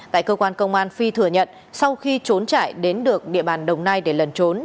tại cơ quan công an phi thừa nhận sau khi trốn trải đến được địa bàn đồng nai để lần trốn